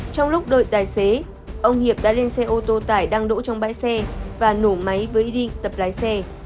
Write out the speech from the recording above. trong lúc đợi tài xế ông hiệp đã lên xe ô tô tải đang đỗ trong bãi xe và nổ máy với y đi tập lái xe